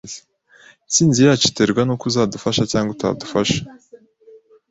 Intsinzi yacu iterwa nuko uzadufasha cyangwa utadufasha